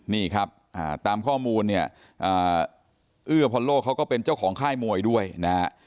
นี่ครับตามข้อมูลเนี่ยเอื้อพรโล่เขาก็เป็นเจ้าของค่ายมวยด้วยนะฮะ